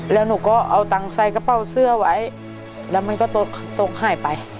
แล้วหนูก็เอาตังค์ใส่กระเป๋าเสื้อไว้แล้วมันก็ตกหายไป